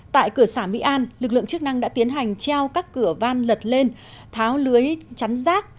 tại cửa xã mỹ an lực lượng chức năng đã tiến hành treo các cửa van lật lên tháo lưới chắn rác